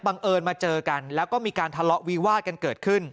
เอิญมาเจอกันแล้วก็มีการทะเลาะวิวาดกันเกิดขึ้น